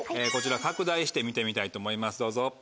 こちら拡大して見てみたいと思いますどうぞ。